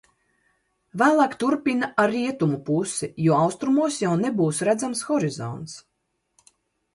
Vēlāk turpina ar rietumu pusi, jo austrumos jau nebūs redzams horizonts.